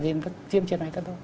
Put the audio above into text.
thì nó tiêm trên này thôi